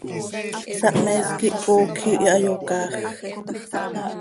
Sahmees quih coocj ihi, hayocaaaj.